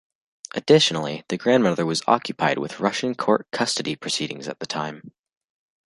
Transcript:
Additionally, the grandmother was occupied with Russian court custody proceedings at the time.